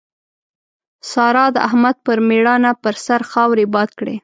سارا د احمد پر ميړانه پر سر خاورې باد کړې.